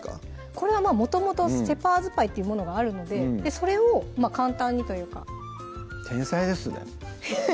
これはもともとシェパーズパイっていうものがあるのでそれを簡単にというか天才ですね